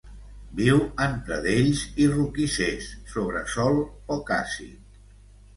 Viu en pradells i roquissers sobre sòl poc àcid.